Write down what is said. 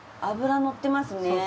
脂のってますね。